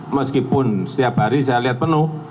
meskipun setiap hari saya lihat penuh